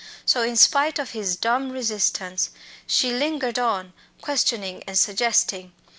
So, in spite of his dumb resistance, she lingered on, questioning and suggesting.